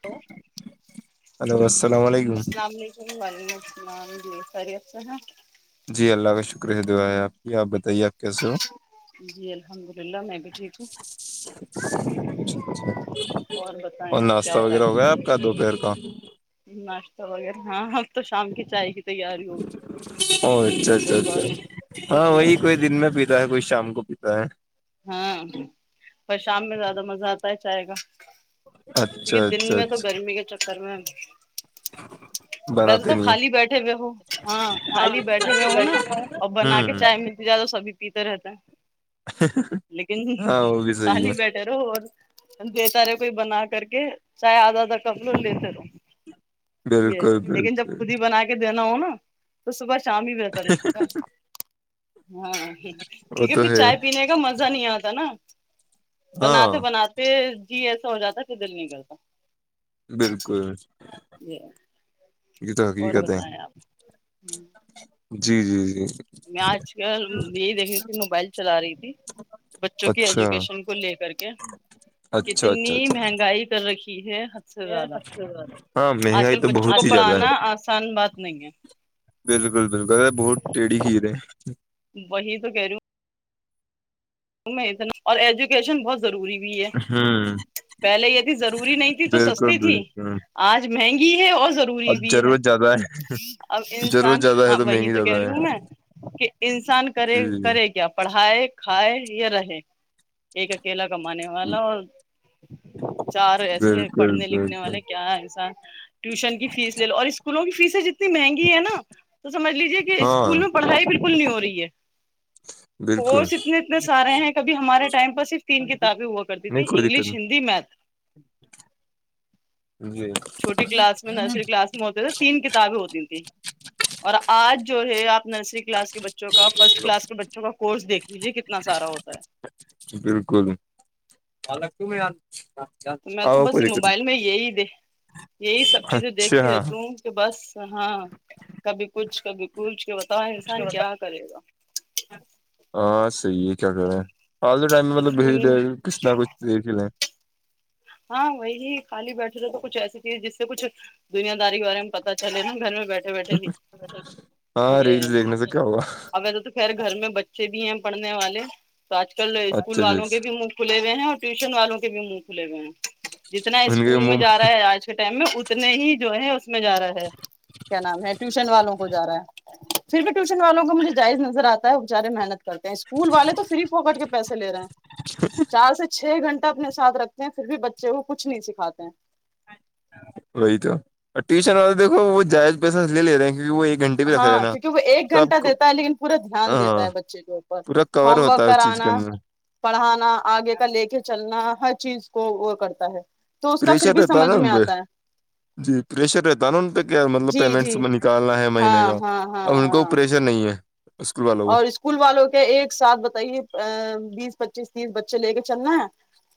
To hello السلام علیکم وعلیکم السلام جی خیت سے ہیں جی اللہ کا شکرہ دعا ہے آپ کی آپ بتائیے آپ کیسے ہو جی الحمد للہ میں بھی ٹھیک ہوں اچھا اچھا اور بتائیں آپ کیا ناشتہ ہو رہا وغیرہ ہوگا آپ کا تو پیر کا ناشتہ وغیرہ ہاں تو شام کی چائے گ او اچھا اچھا عصر اچھا بعد ہاں جی وہی کوئی دن میں پیتا ہے کوئی شام کو پیتا ہے ہاں پر شام میں زیادہ مزہ آتا ہی چے گا اچھا کیونکہ دن اچھا میں تو اچھا گرمی کے چکر میں [inaudible] ویسے بناتے تو نہیں ہو۔ خالی بیٹھے ہوئے ہو ہاں خالی بیٹھے ہوئے ہو نا اور بنا کے ہوں چائے میں زیادہ سبھی پیتا رہتا ہے اچا لیکن کالی بیٹھے رہو اور دیتا رہو کوئی بنا کر کے چاہے آدھا آدھا کپ لو لیتے رہو ہے یہ بالکل لیکن بالکل جب خود ہی بنا کے دینا ہو نا تو صبح شام ہی بہتر لگتا ہے ہاں وہ ٹھیک ہے تو پھر چائے پینے مزہ نہیں آتا نا ہاں بناتے بناتے پھر جی ایسا ہو جاتا تو دل نہیں کرتا بالکل یہ یہ تو اور حقیقت ہے بتائیں آپ جی جی جی میں آج کل یہی دیکھ رہی تھی موبائل چلا رہی تھی بچوں کی اچھا ایجوکیشن کو لے کر کے اچھا اچھا کتنی اچھا مہنگائی کر رکھی ہے سے زیادہ ہاں آج مہنگائی کل تو بچوں کو بہت ہی زیادہ ہے پڑھانا آسان بات نہیں ہے بالکل بالکل ا بہت ٹیڑھی خھیر ہے وہی تو کہہ رہی اتنا اور ایجوکیشن بہت ضروری بھی ہے ہوں پہلے یہ ت ضروری نہیں تھی تو بالکل سستی تھی بالکل آج مہنگی ہے اور ضرور روری اب بھی ہے ضرورت زیادہ اب ہے ضرورت انسان زیادہ ہے ہاں وہی مہنگی تو کہہ زیادہ رہی ہے ہوں میں کہ انسان کرے جی کرے کیا پڑھائے کھائے یا رہے ایک اکیلا کاماننے والا اور چار ایسے بالکل پڑھنے لکھنے بالکل والے کیا ایسا ٹیوشن کی فیس لے لو اور اسکولوں کی فیس جتنی مہنگی ہے نا تو سمج لیجے کہ ہاں اسکولوں پڑھائی بالکل نہیں ہو رہی ہے بالکل کورس اتنے ا سارے ہیں کبھی ہمارے ٹائم پر صرف تین کتابیں ہوا کرتی نہیں تھی کوئی دقت انگلش ہندی میتھ چھوٹی جی کلاس میں نرسری کلاس میں ہوتے تھے تین کتابیں ہوتی تھیں اور آج جو ہے آپ نرسری کلاس کے بچوں کا فرسٹ کلاس کے بچوں کا کورس دیکھ لیجیے کتنا سارا ہوتا ہے بالکل الالک میں میں تو بس یہ موبائل میں یہی دیک یہی سب چیزیں دیکھتی اچھا رہتی ہوں تو بس ہاں کبھی کچھ کبھی کچھ کیا ب تو انسان کیا کرے گا ہاں صحیح ہے کیا کرےیں آج کے ٹائم میں مطلب اسکول میں بھیے کچھ نہ کچھ دیکھ ہی لیں ہاں وہی خالی بیٹھے تھے تو کچھ ایسی چیز جس سے کچھ دنیا داری کے بارے میں پتا چلے نا گھر میں بیٹھے ا بیٹ کہ ہاں یہ ریلس دیکھنے سے کیا ہوگا اب تو تو خیر گھر میں بچے بھی ہیں پڑھنے والے تو آج کل اسکول اچھا جی والوں کے بھی ان مف کھل ہوئے ہیں اور ٹیوشن والوں کے بھی منہ کھلے ہوئے ہیں جتنا کے اسکول میں منہ جا رہا ہے آج کے ٹائم میں اتنے ہی جو ہے اس میں جا رہا ہے کیا نام ہے ٹیوشن والوں کو جا رہا ہے پھر بھی ٹیوشن والوں کو مجھے جائز نظر آتا ہے بےچارے محنت کرتے ہیں اسکول والے تو فری پکٹ کے پیسے لے رہے ہیں چار سے چھ گھنٹہ اپنے ساتھ رکھتے ہیں پھر بھی بچے کو کچھ نہیں سکھاتے ہیں وہی تو ٹیوشن والا دیکھو وہ جائز پیسہ لے لے رہے ہیں کیکہ وہ ایک گھنٹے بھی رکھ رہے ہاں ہیں نا کیونکہ وہ ایک تو آپ گھنٹہ کو دیتا ہے لیکن پورا دھیان دیتا ہاں ہے بچے کے اوپر پورا کور ہوم ورک ہوتا ہے اس چیز کے کرانا اندر پڑھانا آگے کا لے کے چلنا ہر چیز کو وہ کرتا ہے تو اس کا پھر پریشر بھی رہتا ہے نا سمجھ میں ان پہ آتا ہے جی پریشر رہتا ہے نا ان پہ کیا مطلب جی جی پیمنٹس بنی نکالنا ہے مہینے کا ہاں ہاں ہاں اب ان کو ہاں پریشر نہیں ہے اسکول والوں کو اور اسکول والوں کے ایک ساتھ بتائیے ا بیس پچیس تیس بچے لے کے چلنا ہے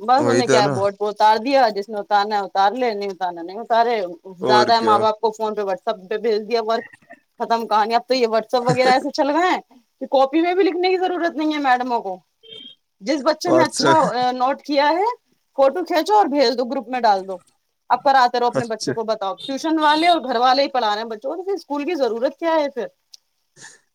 کو بس وہی انہیں تو کیا ہے نا بورٹ پ کو اتار دیا جس نے اتارنا ہے اتار لے نہیں اتارنا نہیں اتارے اور زیادہ ہے کیا ماں باپ کو فون پہ واٹسپ پہ بھیج دیا ورک ختم کہایا اب تو یہ واٹسپ وغیرہ ایے چل گئے کہ کاپی میں بھی لکھنے کی ضرورت نہیں ہے میڈموں کو جس بچے نے اچھا واٹسپ نوٹ کیا ہے فوٹو کھینچو اور بھیج دو گروپ میں ڈال دو اب کر آتے رہو اپنے اچھا بچوں کو بتاؤ ٹیوشن والے اور گھر والے ہی پڑا رہے ہیں بچوں تو پھر اسکول کی ضرورت کیا ہے پھر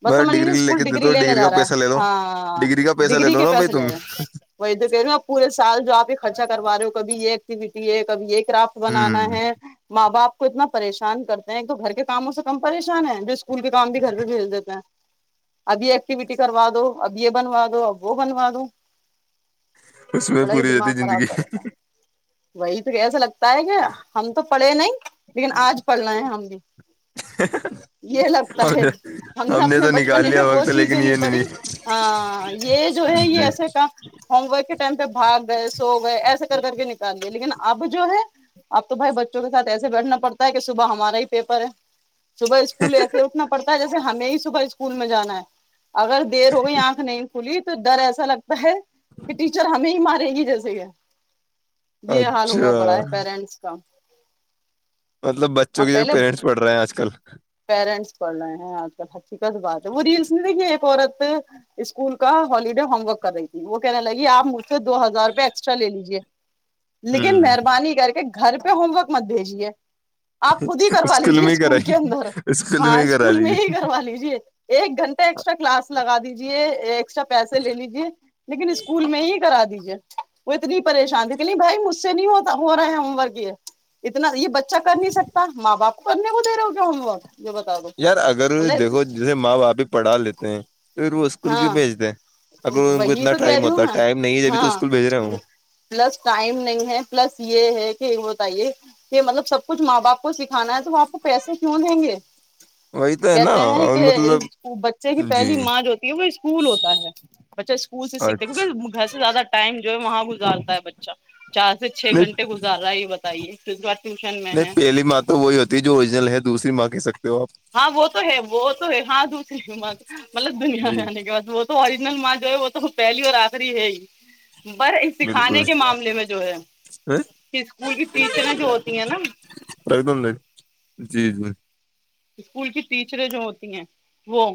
بس میںائی سمجھ لیجیے ڈگری لے اسکول کے دیتا لینے ڈگری کا جا رہا پیسہ لے ل ہے ہاں ڈگری کا پیسہ لے ڈگری لو کے نا بھائی پیسے تم لے رہے ہیں وہی تو کہہ رہے ہ آپورے سال جو آپ یہ خرچا کرو رہے ہو کب یہ ایکٹیوٹی ہے کب یہ کرافٹ ہ بنانا ہے ماں باپ کو اتنا پریشان کرتے ہیں تو گھر کے کاموں سے کم پریشان ہے ج اسکول کے کام بھی گھر پ بھیھیل دیتا ہے اب یہ ایکٹیویٹی کروا دو اب یہ بنوا دو اب وہ بنوا دو اس میں بڑا ہی پوری دماغ رہتی زندگی خراب کر رہا تھا ہے وہی تو کیسا لگتا ہے کہ ہم تو پڑھے نہیں لیکن آج پڑھنا ہے ہم بھی یہ لگتا ہم ہے نے ہم نے اپنے تو بچوں نکال لیا وہ وقت چیزیں لیکن نہیں یہ پڑی ہاں یہ جو ہے یہ جی ایسے کا ہوم ورک کے ٹائم پہ بھاگ گئے و ہو گئے ایسے کر کے نکالیے لیکن نا اب جو ہے آپ تو بھائی بچوں کے ساتھ ایسے بیٹھنا پڑتا ہے کہ صبح ہمارا ہی پیپر ہے صبح اسکول ایسے اٹھنا پڑتا ہے جیسے ہمیں ہی صبح اسکول میں جانا ہے اگر دیر ہو گئی آنکھ نہیں کھلی تو ڈر ایسا لگتا ہے کہ ٹیچر ہمیں ہی مارے گی جیسے کہ یہ حال ہوا اچھا پڑا ہے پیرنٹس کا مطلب بچوں اور کے جو پہلے پییرنٹس پڑھ رہے ہیں آج کل پیرنٹس پڑ رہے ہیں آج کل ہچی کا تو بات ہے وہ ریلس نہیں دیکھی ایک عورت اسکول کا ہالیڈے ہوم ورک کر رہی تھی وہ کہنے لگی آپ مجھ سے دو ہزار روپئے ایکسٹرا لے لیجیے [inaudible] لیکن ہ مہربانی کر کے گھر پہ ہوم ورک مت بھیجیے آپ خود ہی کروا لیجیے میں ہی اسکول کرائی کے اندر اسکول ہاں میں ہی کرا اسکول میں لیجیے ہی کروا لیجے ایک گھنٹہ ایکسٹرا کلاس لگا دیجیے ایکسٹرا پیسے لے لیجے لیکن اسکول میں ہی کرا دیجیے وہ اتنی پریشان تھی کہ نہیں بھائی مجھ سے نہیں ہوتا ہو رہا ہے ہوم ورک یہ اتنا یہ ب اچھا کر نہیں سکتا ماں باپ کو کرنے کو دے رہے ہو کیا ہوم ورک یہ بتا دو یار اگر مطلب دیکھو جیسے ماں باپ ہی پڑھا لیتے ہیں پھر وہ اسکول کیوں ہاں بھیجتے ہیں اگر ان کو وہی اتنا تو کہہ ٹائم رہی ہوں ہوتا ہے میں ٹائم نہیں ہے ابھی تو ہاں اسکول بھیج رہے ہوں پلس ٹائم نہیں ہے پلس یہ ہے کہ بتائیے یہ مطلب سب کچھ ماں باپ کو سکھانا ہے تو آپ کو پیسے کیوں دیں گے وہی تو ہے نا کہتے ہیں اور کہ مطلب بچے کی جی پہلی ماں جو ہے اسکول ہوتا ہے بچہ اسکول سے سیکھتا اچھا بل گھر سے زیادہ ٹائم جو ہے وہاں گزارتا ہے بچہ چار سے چھ نہیں گھنٹے گزار رہا ہے یہ بتائیے ک بار ٹیوشن میں نہیں ہے پہلی ماں تو وہی ہوتی ہے جو ا اوریجنل ہے دوسری ماں کی سکتی ہاں وہ تو ہے وہ تو ہے ہاں دوسری مطلب دنیا میں جی آنے کے بعد وہ تو ارییجنل ماں جو ہے وہ تو پہلی اور آخری ہے ہی بر اس بالکل سکھانے کے معاملے میں جو ہے ہیں؟ کہ اسکول کی ٹیچریں جو ہوتی ہیں نا لگ د ہ جی جی اسکول کی ٹیچریں جو ہوتی ہیں وہ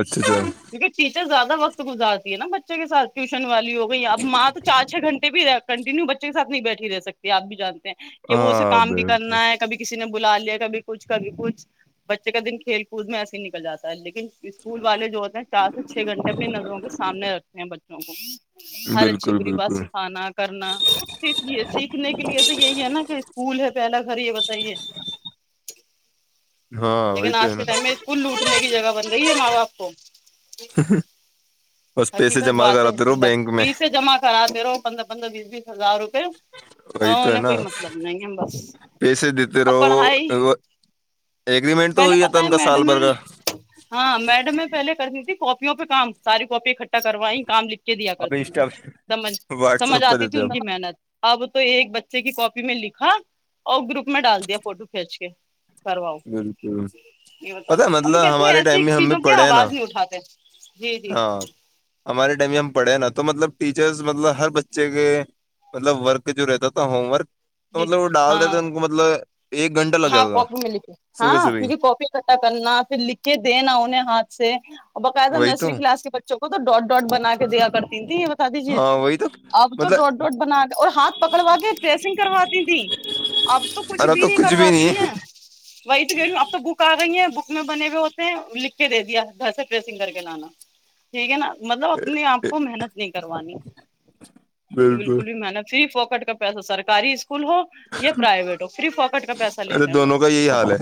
اچھا اچھا کیکہ ٹیچر زیادہ وقت گزارتی ہے نا بچے کے سھ ٹیوشن والی ہو گئی اب ما تو چار چھ گھنٹے بھی کنٹینیو بچے کے سات نہیں بیٹھی رہ سکتی آپ بھی جانتے ہیں کہ وہ اسے ہاں کام بھی بالکل کرنا ہے کبھی کسی نے بلا لیا کبھی کچھ کبھی کچھ بچے کا دن کھیل کود میں ایسے ہی نکل جاتا ہے لیکن اسکول والے جو ہوتے ہیں چار سے چھ گھنٹے اپنی نظروں کے سامنے رکھتے ہیں بچوں کو ہر اچھی بالکل بری بات بالکل سکھانا کرنا پ سیکھنے کے لیے تو یہی ہے نا کہ اسکول ہے پہلا گھر یہ بتائیے ہاں وہی لیکن تو آج ہے نا کے ٹائم میں اسکول لوٹنے کی جگہ بن گئی ہے ماں باپ کو ہاں [unintelligible] حقیقت بات ہے بس بینک میں فیسیں جمع کراے رہو پندرہ پندرہ بیس بیس ہزار روپے ا وہی تو ہے انہیں نا کوئی مطلب نہیں ہے بس پیسے دیتے اور پڑھائی رہو وہ ایگریمنٹ تو ہو پہلے ہی جاتا پتا ہے ان کا سال میڈم ہے بھر کا ہاں میڈم میں پہلے کرتی تھی کاپیوں پہ کام ساری کاپی اکھٹ کروایں کام لکھ کے دیا اب کرتی ت انسٹا سمجھ سمجھ واٹسپ پہ آتی تھی دیتے ان اب کی محنت اب تو ایک بچے کی کاپی میں لکھا اور گروپ میں ڈال دیا فوٹو کھینچ کے کرواؤ بالکل یہ بتا پتا دو امی میں مطلب کہتی ہمارے ایسی ٹائم میں ہم چیزوں بھی کی پڑھے ہیں نا آواز نہیں اٹھاتے جی جی ہاں ہمارے ٹائم میں ہم پڑھے نا تو مطلب ٹیچرس مطلب ہر بچے کے مطلب ورک جو رہتا تھا ہوم ورک تو جی مطلب وہ ڈال دی ہاں تھے ان کو مطلب ایک گھنٹہ لگ جاتا تھا پہلے صبح ہاں سے پھر ہی بھی کاپی اکٹھا کرنا پھر لکھ کے دینا انہیں ہاتھ سے اور باقاعدہ وہی تو نرسری کلاس کے بچوں کو تو ڈاٹ ڈاٹ بنا کے دیا کرتی تھی یہ بتا دیجے ہاں وہی تو اب تو ڈوڈ مطلب ڈڈ بنا کے اور ہاتھ پکڑوا کے ڈریسنگ کرواتی تھیں اب تو کچھ ارا بھی نہیں کچھ کرواتا [inaudible] وہی تو گئی ہوں اب تو بک آ گئی ہیں بک میں بنے ہوئے ہوتے ہیں لکھ کے دے دیا گھر سے پریسنگ کر کے لانا [inaudible] ٹھیک ہے نا مطلب اپنے آپ ہے کو محنت نہیں کروانی بالکل بھی میں نے فری پکٹ کا پیسہ سرکاری اسکول ہو یا پرائیویٹ ہو فری فکٹ کا پیسہ لے ارے رہے ہیں دونوں کا بس یہی حال ہے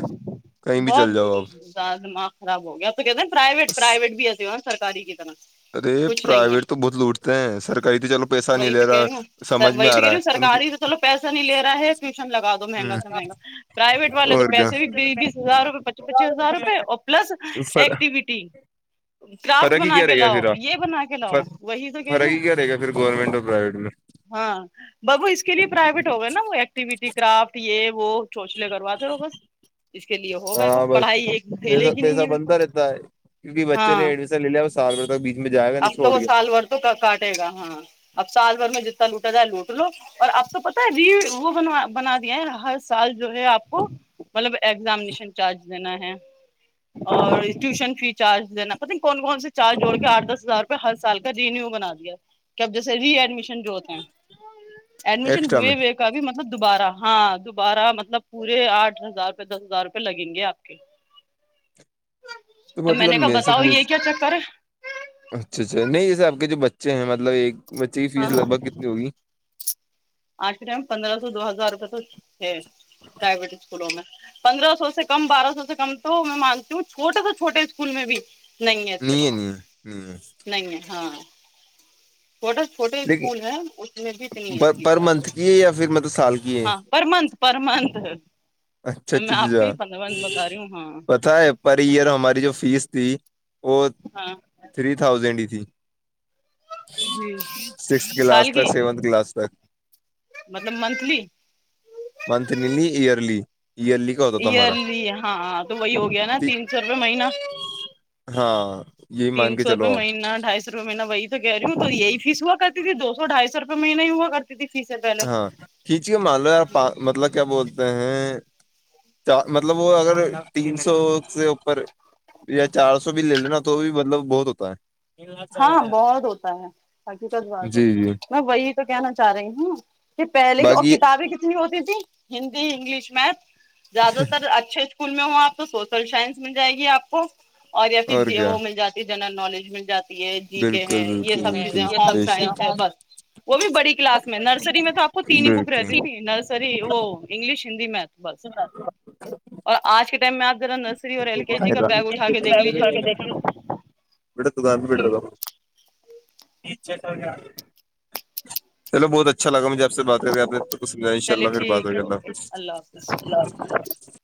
کہیں بھی بہت چل جاؤ آپ زیاد دماغ خراب ہو گیا تو کہتے پرائیوٹ بس پرائیوٹ بھی ایسے ہو نا سکاری کی طرح ارے کچھ نہیں ہے پرائیویٹ تو بہت لوٹتے ہیں سرکاری تو چلو پیسہ نہیں وہی تو لے کہہ رہا رہی ہوں سمجھ میں وہی آ تو کہہ رہا رہی ہے ہوں ان کی سرکاری تو چلو پیسہ نہیں لے رہا ہے ٹیوشن لگا دو مہنگا سے مہنگا ویٹ والے تو اور پیس بھی بیس ہزار روپئے پچیس پچیس ہزار روپئے اور پلس کیا ایکٹیویٹی کرافٹ فرق ہی بنا کیا کے رہے گا لاؤ پھر یہ بنا کے لاؤ وہی تو کہہ رہی ہوں رہ گا پھر گورنمنٹ اور پرائیویٹ میں ہاں ببو اس کے لیے پرائیویٹ ہو گئے نا وہ ایکٹیوٹی کرافٹ یہ وہ سوچنے کرواتے رہ ہو بس اس کے لیے ہوگئے وہ ہاں بس پڑھائی ایک ھیلے پیسہ کی نہیں پیسہ ہے بالکل بنتا رہتا ہے کیونکہ بچے نے ہاں ایڈمیشن لے سالک بی اب تو وہ سال بھر تو کاٹے گا ہاں اب سال بھر میں جتنا لوٹا جائے لوٹ لو اور آپ کو پتا ہے ری وہ بن بنا دیا ہے ہر سال جو ہے آپ کو مطلب ایزامینیشن چارج دینا ہے اور ٹیوشن فی چارج دینا پ کون کون سے چار جوڑ کے آٹھ دس ہزار روپئے ہر سال کا رینیو بنا دیا کہب جیسے ری ایڈمیشن جو ہوتے ہیں ایڈمیشن ایکسٹرا ہوئے میں و کا بھی مطلب دوبارہ ہاں دوبارہ مطلب پورے آٹھ ہزاروپ دس ہزار روپئے لگیں گے آپ کے [inaudible] تو میں مطلب نے کہا سے بتاؤ یہ پوچھ کیا چکر ہے اچھا اچھا نہیں جیسے آپ جو بچے ہیں مطلب ایک بچے کی فیس لگ ہاں بھگ کتنی ہوگی آج کے ٹائم پندرہ سو دو ہزار روپئے تو ہے پرائیویٹ اسکولوں میں پندرہ سو سے کم بارہ سو سے کم تو میں مانتی ہوں چھوٹے سے چھوٹے اسکول میں بھی نگ سر نہیں ہے نہیں ہے، نہیں ہے نگ ہاں چھوٹے چھوٹے اسکول لیکن ہیں اس میں بھیتنی ہے پر پر فیس آج منتھ کل کی ہے یا پھر مطلب سال کی ہے ہاں پر منتھ پر منتھ اچھا اچھا میں آپ کو اچا ہی ج پندرہ منتھ بتا رہی ہوں ہاں تھا ہے پر ایئر ہماری جو فیس تھی وہ ہاں تھری تھاؤزینڈ ہی تھی سکس جی سال کلاس کی تک سیونتھ کلاس تک مطلب منتھلی منتئرلیئرلی ایئرلی ہاں تو وہی ہو گیا نا تی- تین سو روپے مہینہ ہاں یہی مان تین کے سو روپئے چلو آپ مہینہ ڈھائی سو وپئے مہین وہی تو کہہ رہی ہوں تو یہی فیس ہوا کرتی تھی دو سو ڈھائی سو روپئےہ ہی ہوا کرتی فیس اد ہاں کھیچی کے ملو مطلب کیا بولتے ہیں چار مطلب وہ اگر تین سو سے اوپر یا چار سو بھی لے لینا تو بھی مطلب بہت ہوتا ہے ہاں بہت ہوتا ہے حقیقت بات ہے جی جی میں وہی تو کہنا چاہ رہی ہوں کہ پہلے کی اور باقی کتابیں ک ہوتی تھی ہندی انگلش میتھ زیادہ تر اچھے اس اسکول میں ہوا آپ کو سوشل سائنس مل جائے گی آپ کو اور یا پھر وہ مل جاتی فی جنرل نالج مل جاتی ہے جی کے ہے بالکل یہ بالکل سب چیزیں بالکل ہوم بے سائنس شک ہے بس وہ بھی بڑی کلاس میں نرسری میں تو آپ کو تین ہی بک بالکل رہتی تھی ن سی وہ انگلش ہندی میتھ بس اور آج کے ٹائم میں آپ را نرسری اور ایل کے جی کا بیٹا بیگ اٹھا کے دیکھ لیجیے بیٹا دکان بھیہ بیٹ رہا تھا چلو بہت اچھا لگا مجھے آپ سے بات آپ نے کو سجھائی ان شاء چلیے اللہ پھر بات ہو ٹھیک ہے گ اوکے حافظ اللہ پھر